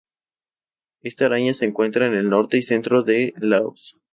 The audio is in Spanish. Esta araña se encuentra en el norte y centro de Laos.